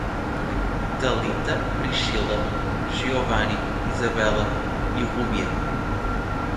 Talita, Priscila, Giovani, Isabela e Rúbia